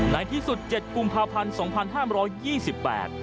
ในที่สุด๗กุมภาพันธ์๒๕๒๘